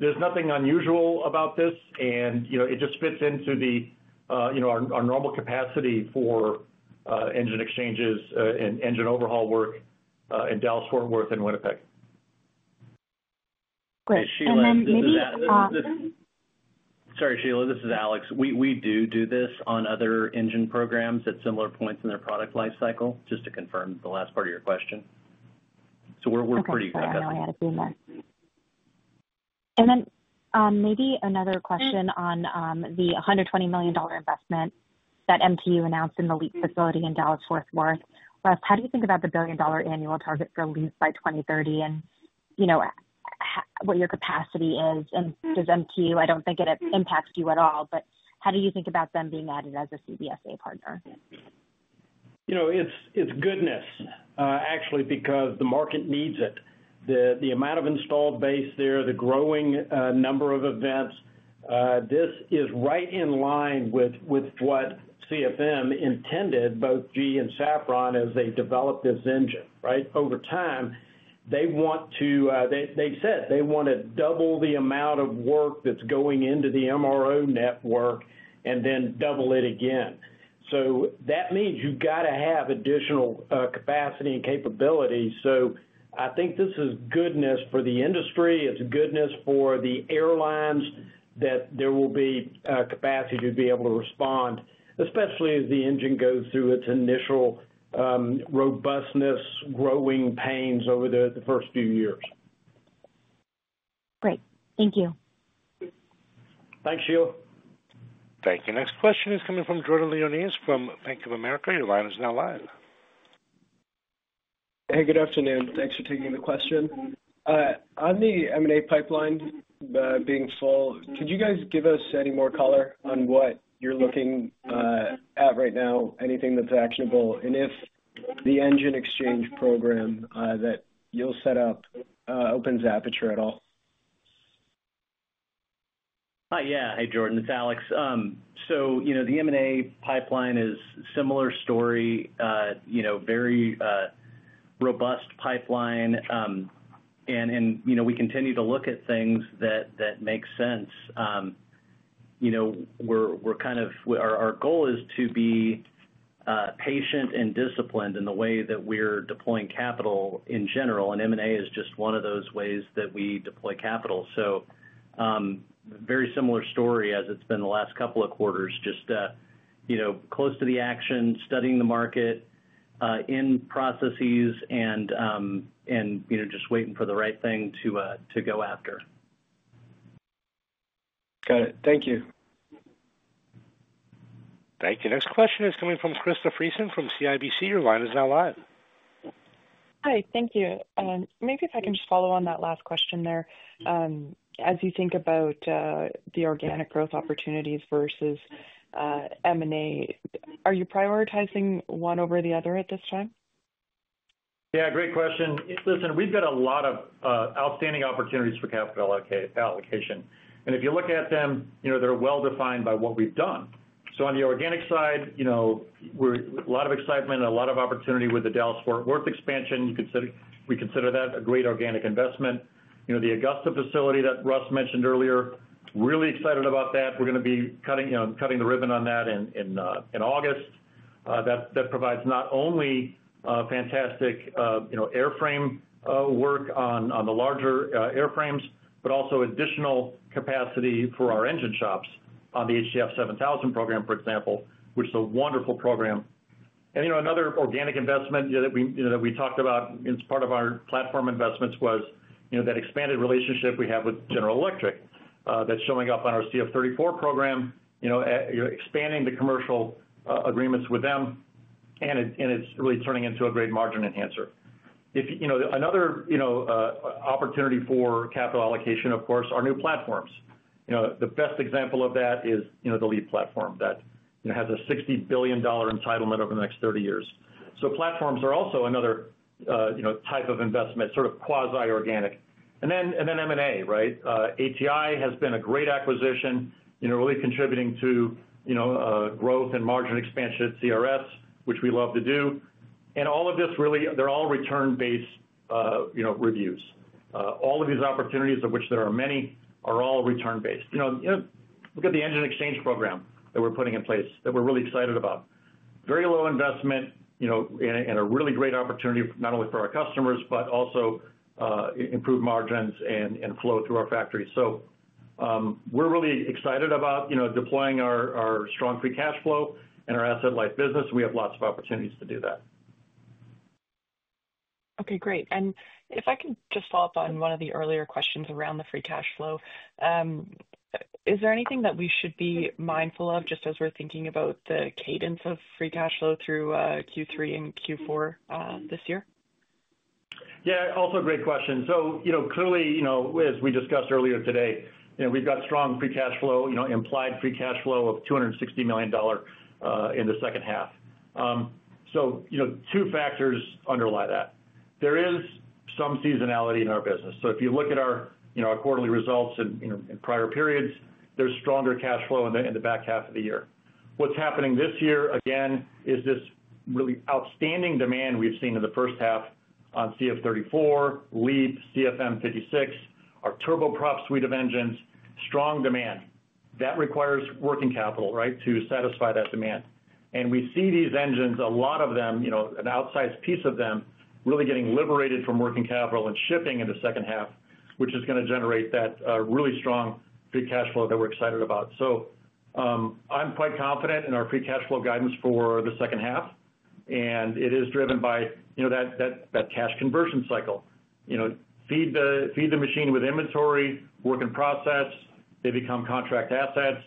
There's nothing unusual about this, and it just fits into our normal capacity for engine exchanges and engine overhaul work in Dallas Fort Worth and Winnipeg. Great. Sheila, this is Alex. Sorry, Sheila, this is Alex. We do this on other engine programs at similar points in their product lifecycle, just to confirm the last part of your question. We're pretty good. I had a few minutes. Maybe another question on the $120 million investment that MTU announced in the LEAP facility in Dallas Fort Worth. Ross, how do you think about the billion-dollar annual target for LEAP by 2030 and what your capacity is? Does MTU, I don't think it impacts you at all, but how do you think about them being added as a CBSA partner? It's goodness, actually, because the market needs it. The amount of installed base there, the growing number of events, this is right in line with what CFM intended, both GE and Safran, as they developed this engine, right? Over time, they said they want to double the amount of work that's going into the MRO network and then double it again. That means you've got to have additional capacity and capability. I think this is goodness for the industry. It's goodness for the airlines that there will be capacity to be able to respond, especially as the engine goes through its initial robustness growing pains over the first few years. Great. Thank you. Thanks, Sheila. Thank you. Next question is coming from Jordan Lyonnais from Bank of America. Your line is now live. Hey, good afternoon. Thanks for taking the question. On the M&A pipeline being full, could you guys give us any more color on what you're looking at right now? Anything that's actionable? If the asset-light engine exchange program that you set up opens aperture at all? Hi, yeah. Hey, Jordan. It's Alex. The M&A pipeline is a similar story, very robust pipeline, and we continue to look at things that make sense. We're kind of, our goal is to be patient and disciplined in the way that we're deploying capital in general. M&A is just one of those ways that we deploy capital. Very similar story as it's been the last couple of quarters, just close to the action, studying the market, in processes, and just waiting for the right thing to go after. Got it. Thank you. Thank you. Next question is coming from Krista Friesen from CIBC. Your line is now live. Hi. Thank you. Maybe if I can just follow on that last question. As you think about the organic growth opportunities versus M&A, are you prioritizing one over the other at this time? Yeah, great question. Friesen, we've got a lot of outstanding opportunities for capital allocation. If you look at them, they're well-defined by what we've done. On the organic side, we're a lot of excitement and a lot of opportunity with the Dallas Fort Worth expansion. You could say we consider that a great organic investment. The Augusta, Georgia facility that Russ mentioned earlier, really excited about that. We're going to be cutting the ribbon on that in August. That provides not only fantastic airframe work on the larger airframes, but also additional capacity for our engine shops on the HTF7000 program, for example, which is a wonderful program. Another organic investment that we talked about as part of our platform investments was that expanded relationship we have with General Electric that's showing up on our CF34 program, expanding the commercial agreements with them. It's really turning into a great margin enhancer. Another opportunity for capital allocation, of course, are new platforms. The best example of that is the LEAP platform that has a $60 billion entitlement over the next 30 years. Platforms are also another type of investment, sort of quasi-organic. M&A, right? Aeroturbine has been a great acquisition, really contributing to growth and margin expansion at component repair services, which we love to do. All of this really, they're all return-based reviews. All of these opportunities, of which there are many, are all return-based. Look at the asset-light engine exchange program that we're putting in place that we're really excited about. Very low investment and a really great opportunity not only for our customers, but also improved margins and flow through our factory. We're really excited about deploying our strong free cash flow and our asset-light business. We have lots of opportunities to do that. Okay, great. If I can just follow up on one of the earlier questions around the free cash flow, is there anything that we should be mindful of just as we're thinking about the cadence of free cash flow through Q3 and Q4 this year? Yeah, also a great question. Clearly, as we discussed earlier today, we've got strong free cash flow, implied free cash flow of $260 million in the second half. Two factors underlie that. There is some seasonality in our business. If you look at our quarterly results and in prior periods, there's stronger cash flow in the back half of the year. What's happening this year, again, is this really outstanding demand we've seen in the first half on CF34, LEAP, CFM56, our Turboprop suite of engines, strong demand. That requires working capital to satisfy that demand. We see these engines, a lot of them, an outsized piece of them, really getting liberated from working capital and shipping in the second half, which is going to generate that really strong free cash flow that we're excited about. I'm quite confident in our free cash flow guidance for the second half. It is driven by that cash conversion cycle. Feed the machine with inventory, work in process. They become contract assets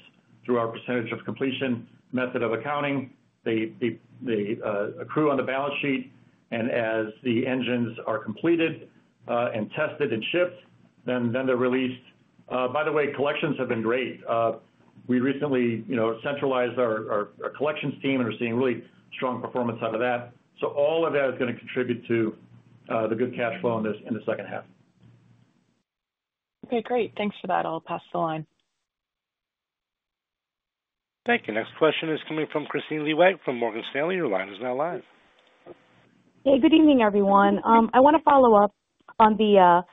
through our percentage of completion method of accounting. They accrue on the balance sheet. As the engines are completed, tested and shipped, then they're released. By the way, collections have been great. We recently centralized our collections team and are seeing really strong performance out of that. All of that is going to contribute to the good cash flow in the second half. Okay, great. Thanks for that. I'll pass the line. Thank you. Next question is coming from Kristine Liwag from Morgan Stanley. Your line is now live. Hey, good evening, everyone. I want to follow up on the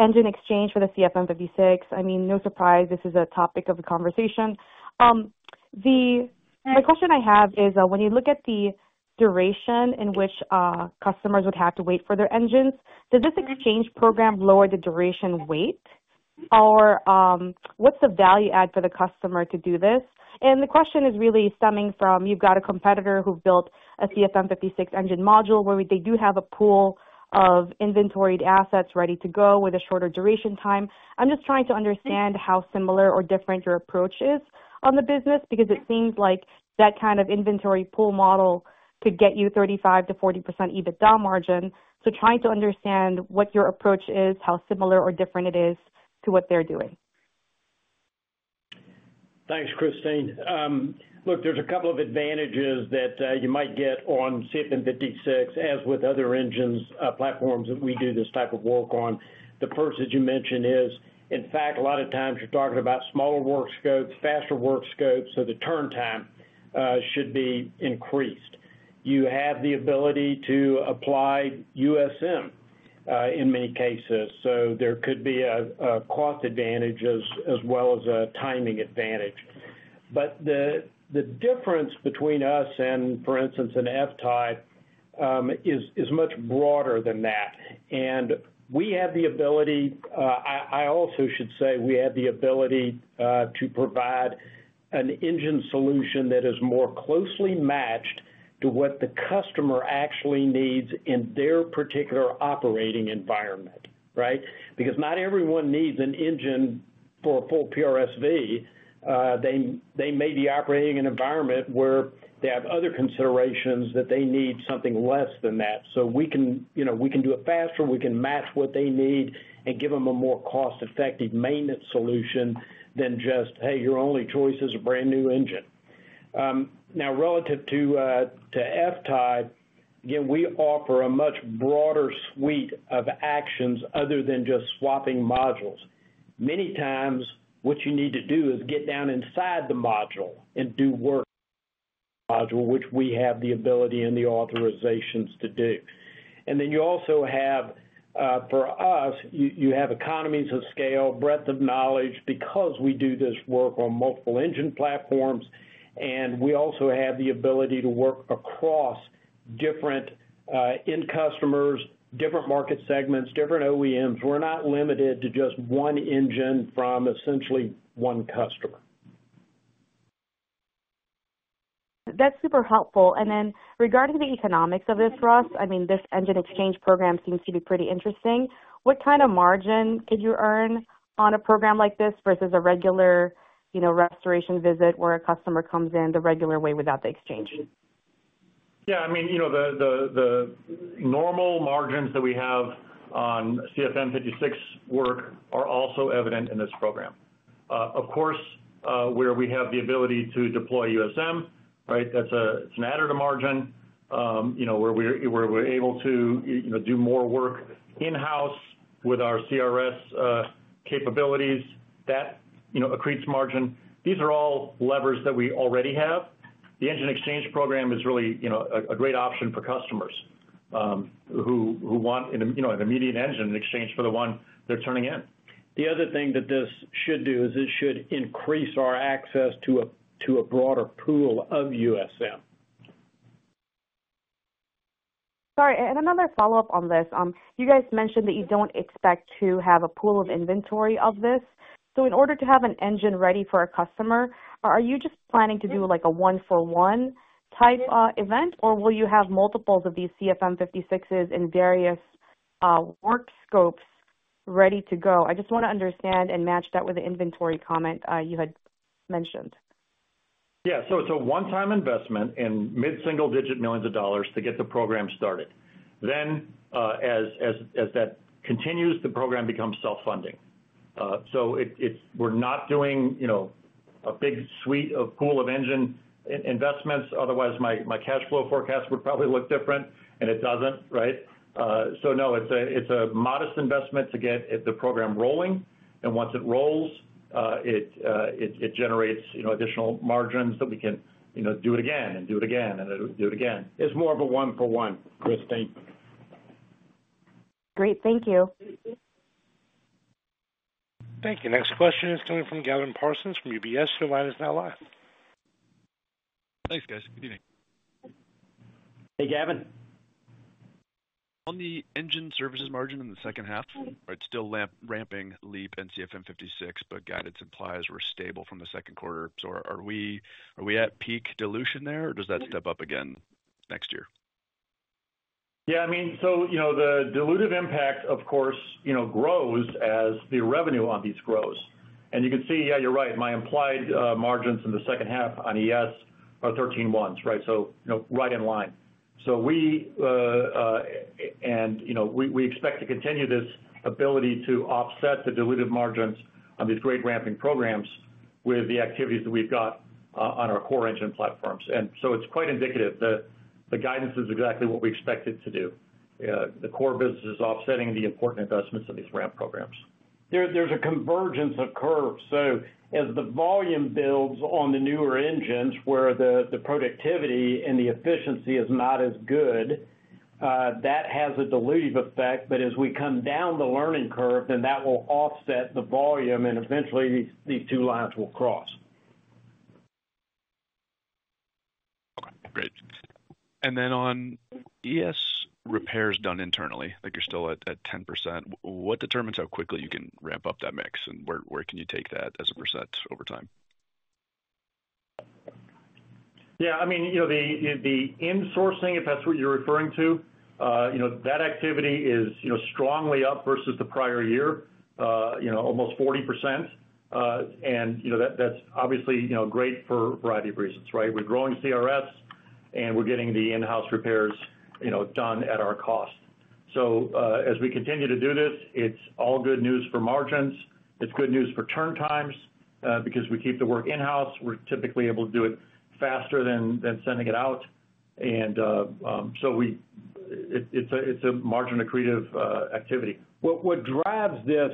engine exchange for the CFM56. I mean, no surprise, this is a topic of the conversation. The question I have is, when you look at the duration in which customers would have to wait for their engines, does this exchange program lower the duration wait, or what's the value add for the customer to do this? The question is really stemming from you've got a competitor who built a CFM56 engine module where they do have a pool of inventoried assets ready to go with a shorter duration time. I'm just trying to understand how similar or different your approach is on the business because it seems like that kind of inventory pool model could get you 35%-40% EBITDA margin. Trying to understand what your approach is, how similar or different it is to what they're doing. Thanks, Kristine. Look, there's a couple of advantages that you might get on CFM56 as with other engines, platforms that we do this type of work on. The first, as you mentioned, is, in fact, a lot of times you're talking about smaller work scopes, faster work scopes, so the turn time should be increased. You have the ability to apply USM in many cases. There could be a cost advantage as well as a timing advantage. The difference between us and, for instance, an F-type, is much broader than that. I also should say we have the ability to provide an engine solution that is more closely matched to what the customer actually needs in their particular operating environment, right? Not everyone needs an engine for a full PRSV. They may be operating in an environment where they have other considerations that they need something less than that. We can do it faster. We can match what they need and give them a more cost-effective maintenance solution than just, hey, your only choice is a brand new engine. Now relative to F-type, again, we offer a much broader suite of actions other than just swapping modules. Many times, what you need to do is get down inside the module and do work module, which we have the ability and the authorizations to do. You also have, for us, you have economies of scale, breadth of knowledge because we do this work on multiple engine platforms. We also have the ability to work across different end customers, different market segments, different OEMs. We're not limited to just one engine from essentially one customer. That's super helpful. Regarding the economics of this, Russ, this asset-light engine exchange program seems to be pretty interesting. What kind of margin could you earn on a program like this versus a regular restoration visit where a customer comes in the regular way without the exchange? Yeah. I mean, you know, the normal margins that we have on CFM56 work are also evident in this program. Of course, where we have the ability to deploy USM, right? That's an additive margin, you know, where we're able to do more work in-house with our component repair services capabilities that, you know, accretes margin. These are all levers that we already have. The asset-light engine exchange program is really a great option for customers who want, you know, an immediate engine in exchange for the one they're turning in. The other thing that this should do is it should increase our access to a broader pool of USM. Sorry. Another follow-up on this. You guys mentioned that you don't expect to have a pool of inventory of this. In order to have an engine ready for a customer, are you just planning to do like a one-for-one type event, or will you have multiples of these CFM56s in various work scopes ready to go? I just want to understand and match that with the inventory comment you had mentioned. Yeah. It's a one-time investment in mid-single-digit millions of dollars to get the program started. As that continues, the program becomes self-funding. It's not a big suite or pool of engine investments. Otherwise, my cash flow forecast would probably look different, and it doesn't, right? It's a modest investment to get the program rolling. Once it rolls, it generates additional margins that we can do it again and do it again and do it again. It's more of a one-for-one, Kristine. Great. Thank you. Thank you. Next question is coming from Gavin Parsons from UBS. Your line is now live. Thanks, guys. Good evening. Hey, Gavin. On the engine services margin in the second half, it's still ramping LEAP and CFM56, but guidance implies we're stable from the second quarter. Are we at peak dilution there, or does that step up again next year? Yeah. I mean, the dilutive impact, of course, grows as the revenue on these grows. You're right. My implied margins in the second half on ES are 13 ones, right? Right in line. We expect to continue this ability to offset the dilutive margins on these great ramping programs with the activities that we've got on our core engine platforms. It's quite indicative that the guidance is exactly what we expect it to do. The core business is offsetting the important investments in these ramp programs. There's a convergence of curves. As the volume builds on the newer engines where the productivity and the efficiency is not as good, that has a dilutive effect. As we come down the learning curve, then that will offset the volume, and eventually, these two lines will cross. Great. On ES repairs done internally, you're still at 10%. What determines how quickly you can ramp up that mix, and where can you take that as a percent over time? Yeah. I mean, you know, the insourcing, if that's what you're referring to, that activity is strongly up versus the prior year, almost 40%. You know, that's obviously great for a variety of reasons, right? We're growing CRFs, and we're getting the in-house repairs done at our cost. As we continue to do this, it's all good news for margins. It's good news for turn times, because we keep the work in-house. We're typically able to do it faster than sending it out. It's a margin-accretive activity. What drives this,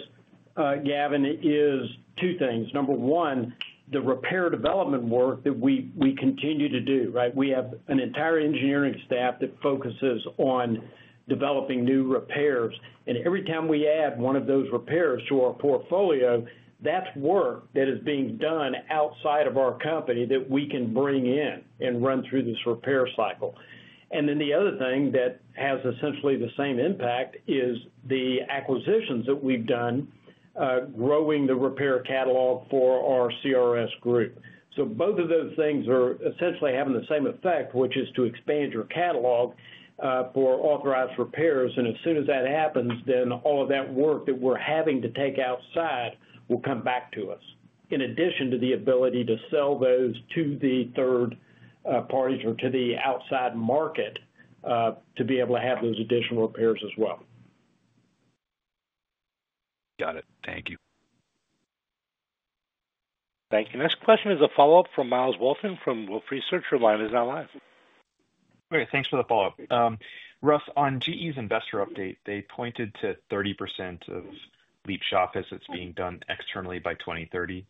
Gavin, is two things. Number one, the repair development work that we continue to do, right? We have an entire engineering staff that focuses on developing new repairs. Every time we add one of those repairs to our portfolio, that's work that is being done outside of our company that we can bring in and run through this repair cycle. The other thing that has essentially the same impact is the acquisitions that we've done, growing the repair catalog for our CRS group. Both of those things are essentially having the same effect, which is to expand your catalog for authorized repairs. As soon as that happens, all of that work that we're having to take outside will come back to us, in addition to the ability to sell those to third parties or to the outside market, to be able to have those additional repairs as well. Got it. Thank you. Thank you. Next question is a follow-up from Myles Wolton from Wolfe Research. Your line is now live. Great. Thanks for the follow-up. Russ, on GE's investor update, they pointed to 30% of LEAP shop visits being done externally by 2030.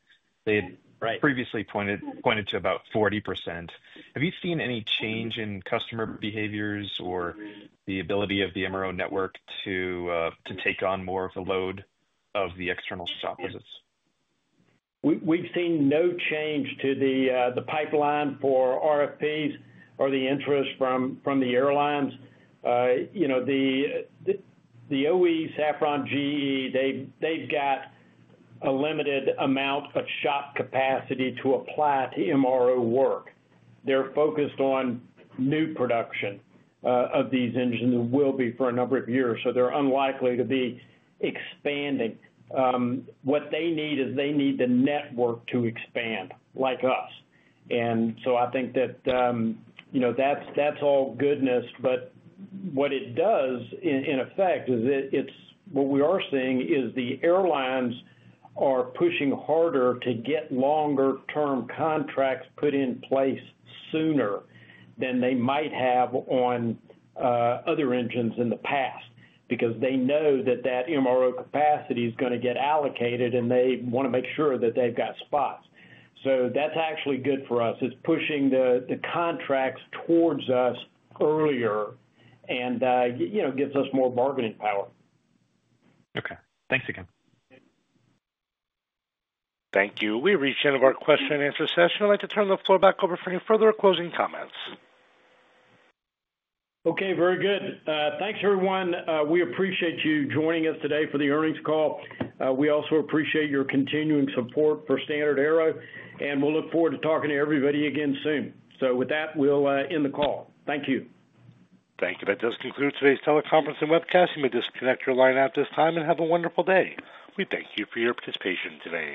They had previously pointed to about 40%. Have you seen any change in customer behaviors or the ability of the MRO network to take on more of the load of the external shop visits? We've seen no change to the pipeline for RFPs or the interest from the airlines. You know, the OE, Safran, GE, they've got a limited amount of shop capacity to apply to MRO work. They're focused on new production of these engines and will be for a number of years. They're unlikely to be expanding. What they need is they need the network to expand like us. I think that, you know, that's all goodness. What it does in effect is that what we are seeing is the airlines are pushing harder to get longer-term contracts put in place sooner than they might have on other engines in the past because they know that MRO capacity is going to get allocated, and they want to make sure that they've got spots. That's actually good for us. It's pushing the contracts towards us earlier and, you know, gives us more bargaining power. Okay, thanks again. Thank you. We reached the end of our question and answer session. I'd like to turn the floor back over for any further closing comments. Okay. Very good. Thanks, everyone. We appreciate you joining us today for the earnings call. We also appreciate your continuing support for StandardAero, and we'll look forward to talking to everybody again soon. With that, we'll end the call. Thank you. Thank you. That does conclude today's teleconference and webcast. You may disconnect your line at this time and have a wonderful day. We thank you for your participation today.